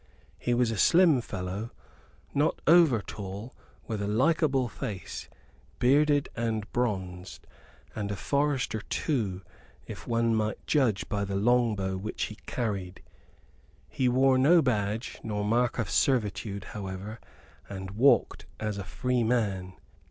He was a slim fellow, not over tall, with a likeable face, bearded and bronzed; and a forester, too, if one might judge by the longbow which he carried. He wore no badge nor mark of servitude, however, and walked as a free man.